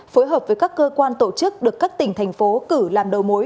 phối hợp với các cơ quan tổ chức được các tỉnh thành phố cử làm đầu mối